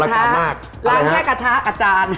ล้างแค่กระทะกับจาน